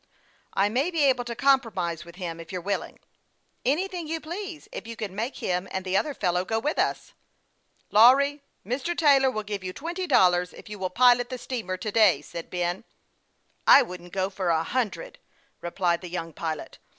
" I may be able to compromise with him, if you're willing." " Anything you please, if you can make him and the other fellow go with us." " Lawry, Mr. Taylor Avill give you twenty dollars if you will pilot the steamer to day," said Ben, as he stepped up to his brother. " I wouldn't go for a hundred," replied the young pilot.